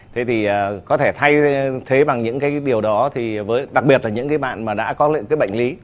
thế thì có thể thay thế bằng những cái điều đó thì đặc biệt là những cái bạn mà đã có những cái bệnh lý